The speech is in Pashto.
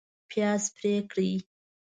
پیاز پرې کړئ